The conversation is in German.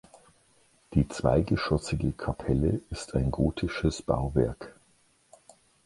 Die zweigeschossige Kapelle ist ein gotisches Bauwerk.